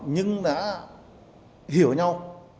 nhưng đã hiểu nhau